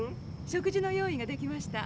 食事の用意ができました。